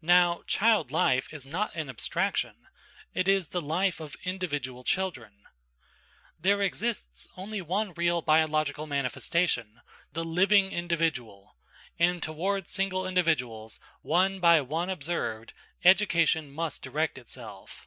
Now, child life is not an abstraction; it is the life of individual children. There exists only one real biological manifestation: the living individual; and toward single individuals, one by one observed, education must direct itself.